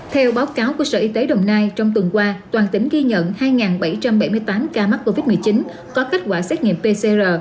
theo báo cáo của sở y tế đồng nai trong tuần qua toàn tỉnh ghi nhận hai bảy trăm bảy mươi tám ca mắc covid một mươi chín có kết quả xét nghiệm pcr